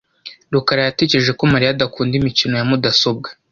rukara yatekereje ko Mariya adakunda imikino ya mudasobwa .